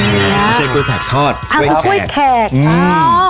อันนั้นไม่ใช่กล้วยแถวภาวุรัสครับอ๋อค่ะอันคือกล้วยแขกอ๋อ